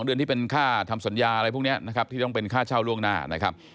เดือนที่เป็นค่าทำสัญญาอะไรพวกนี้นะครับที่ต้องเป็นค่าเช่าล่วงหน้านะครับ